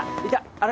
あれ？